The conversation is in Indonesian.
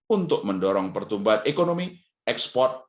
untuk mendorong pertumbuhan ekonomi ekspor